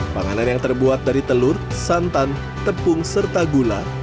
panganan yang terbuat dari telur santan tepung serta gula